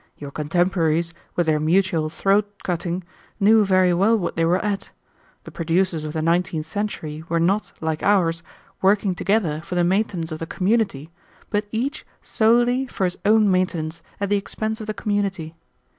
Your contemporaries, with their mutual throat cutting, knew very well what they were at. The producers of the nineteenth century were not, like ours, working together for the maintenance of the community, but each solely for his own maintenance at the expense of the community.